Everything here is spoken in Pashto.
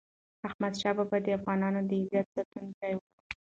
احمد شاه بابا د افغانانو د عزت ساتونکی و.